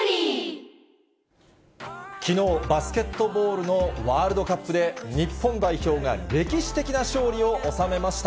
きのう、バスケットボールのワールドカップで、日本代表が歴史的な勝利を収めました。